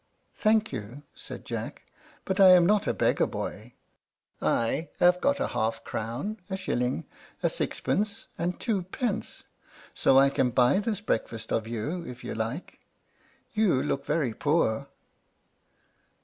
"Thank you," said Jack, "but I am not a beggar boy; I have got a half crown, a shilling, a sixpence, and two pence; so I can buy this breakfast of you, if you like. You look very poor."